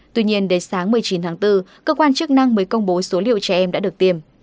tuy nhiên đến sáng một mươi chín tháng bốn cơ quan chức năng mới công bố số liệu trẻ em đã được tìm